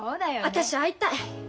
私会いたい。